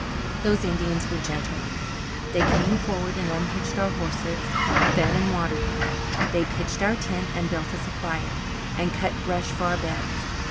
Those Indians were gentlemen. They came forward and unhitched our horses, fed, and watered them; they pitched our tent, and built us a fire, and cut brush for our beds.